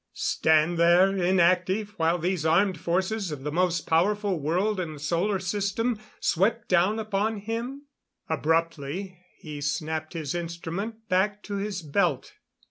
Stand there inactive while these armed forces of the most powerful world in the Solar System swept down upon him? Abruptly he snapped his instrument back to his belt.